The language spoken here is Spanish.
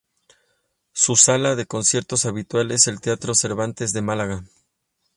Su sala de conciertos habitual es el Teatro Cervantes de Málaga.